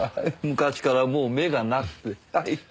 昔からもう目がなくてはい。